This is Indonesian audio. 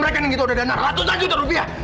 dalam rekening itu ada dana ratusan juta rupiah